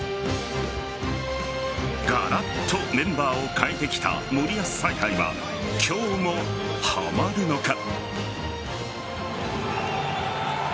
がらっとメンバーを変えてきた森保采配は今日もはまるのか。